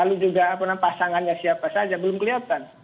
lalu juga pasangannya siapa saja belum kelihatan